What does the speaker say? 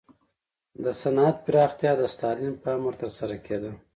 د صنعت پراختیا د ستالین په امر ترسره کېده.